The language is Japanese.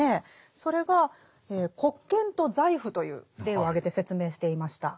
それが国権と財富という例を挙げて説明していました。